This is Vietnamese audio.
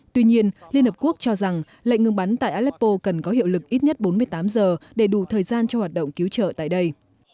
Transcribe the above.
tuy nhiên liên hợp quốc cho rằng lệnh ngừng bắn tại aleppo cần có hiệu lực ít nhất bốn mươi tám giờ để đủ thời gian cho hoạt động cứu trợ tại đây